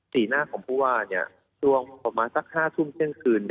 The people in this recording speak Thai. สีหน้าของพูดว่านช่วงคมมาสัก๕ทุ่มเช่นคืน